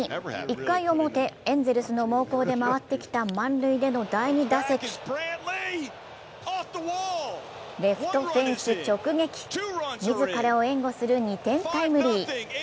１回表、エンゼルスの猛攻で回ってきた満塁での第２打席レフトフェンス直撃、自らを援護する２点タイムリー。